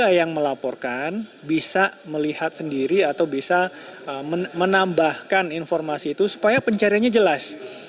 jadi kita yang melaporkan bisa melihat sendiri atau bisa menambahkan informasi itu supaya pencariannya jelas